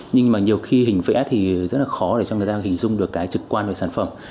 nhưng mà nhiều khi hình vẽ thì rất là khó để cho người ta hình dung được cái trực quan về sản phẩm